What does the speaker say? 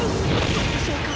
どうでしょうか？